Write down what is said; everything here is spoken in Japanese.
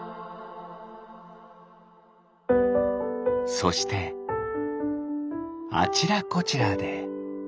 そしてあちらこちらで。